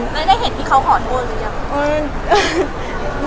แล้วได้เห็นที่เขาขอโทษหรือยัง